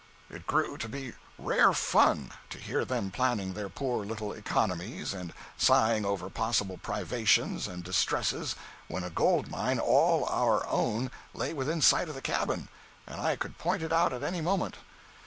It grew to be rare fun to hear them planning their poor little economies and sighing over possible privations and distresses when a gold mine, all our own, lay within sight of the cabin and I could point it out at any moment.